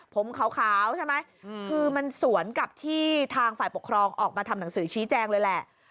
ผมขาวใช่ไหมคือมันสวนกับที่ทางฝ่ายปกครองออกมาทำหนังสือชี้แจงเลยแหละ